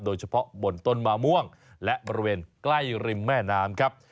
โดยเฉพาะบนต้นมะม่วงและบริเวณใกล้ริมแม่น้ำครับ